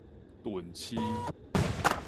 鈍市